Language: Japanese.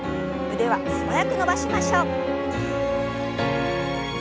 腕は素早く伸ばしましょう。